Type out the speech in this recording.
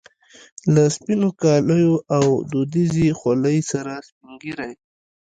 له سپینو کاليو او دودیزې خولۍ سره سپینږیری.